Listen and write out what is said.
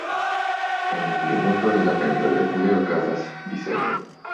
En plimulto de la temploj regule okazas diservoj.